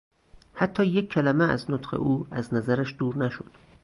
حتی یک کلمه از نطق او از نظرش دور نشد.